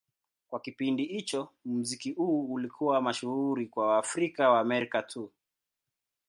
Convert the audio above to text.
Kwa kipindi hicho, muziki huu ulikuwa mashuhuri kwa Waafrika-Waamerika tu.